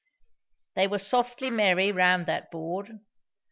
They were softly merry round that board.